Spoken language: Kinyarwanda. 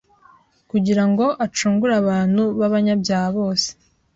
kugirango acungure abantu babanyabyaha bose